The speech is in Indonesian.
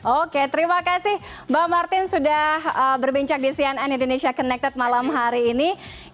oke terima kasih mbak martin sudah berbincang di cnn indonesia connected malam hari ini